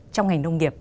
trong ngành nông nghiệp